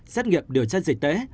xét nghiệm điều tra dịch tễ